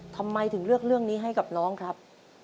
ทำไมถึงเลือกเรื่องนี้ให้กับน้องครับ